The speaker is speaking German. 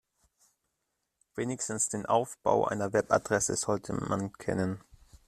Wenigstens den Aufbau einer Webadresse sollte man kennen.